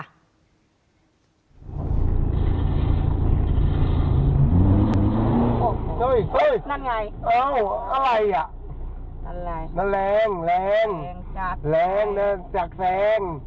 โอ้โหนั่นไงเอออะไรอ่ะนั่นอะไรนั่นแรงแรงแรงจากแซง